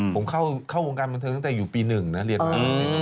ผมเข้าวงการบันเทิงตั้งแต่อยู่ปี๑นะเรียนมา